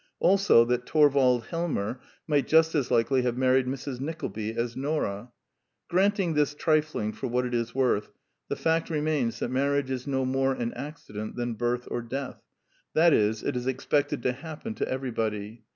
Also that Torvald Helmer might just as likely have mar ried Mrs. Nickleby as Nora. Granting this tri fling for what it is worth, the fact remains that marriage is no more an accident than birth or death : that is, it is expected to happen to every body.